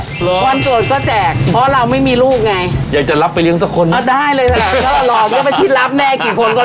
หรือวันหมดก็แจกเพราะเราไม่มีลูกไงอยากจะรับไปเลี้ยงสักคน